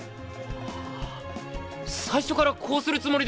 あ最初からこうするつもりで。